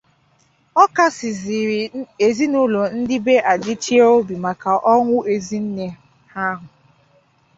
Ọ kasizịrị ezinụlọ ndị be Adịchie obi maka ọnwụ ezi nne ha ahụ